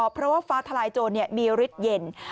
เพราะว่าฟ้าทลายโจรมีฤทธิ์เย็น